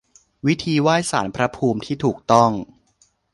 วิธีไหว้ศาลพระภูมิที่ถูกต้อง